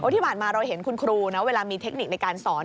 ที่ผ่านมาเราเห็นคุณครูนะเวลามีเทคนิคในการสอน